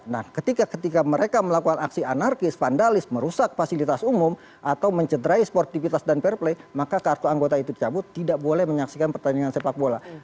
nah ketika ketika mereka melakukan aksi anarkis vandalis merusak fasilitas umum atau mencederai sportivitas dan fair play maka kartu anggota itu dicabut tidak boleh menyaksikan pertandingan sepak bola